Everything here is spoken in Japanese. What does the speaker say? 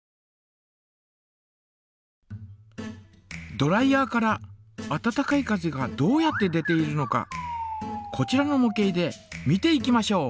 ドライヤーから温かい風がどうやって出ているのかこちらのも型で見ていきましょう。